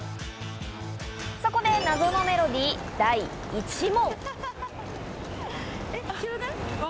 そこで謎のメロディー第１問。